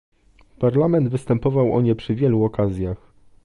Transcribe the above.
Parlament występował o nie przy wielu okazjach